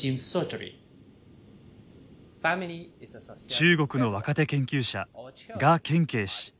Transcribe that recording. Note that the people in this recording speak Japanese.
中国の若手研究者賀建奎氏。